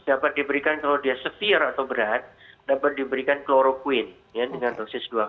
dapat diberikan kalau dia severe atau berat dapat diberikan chloroquine ya dengan dosis dua x lima ratus